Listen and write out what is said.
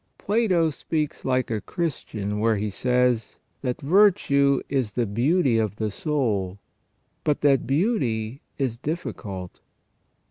* Plato speaks like a Christian where he says, that " virtue is the beauty of the soul," but that " beauty is difficult